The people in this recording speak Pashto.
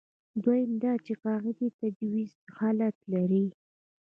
دویم دا چې قاعدې تجویزي حالت لري.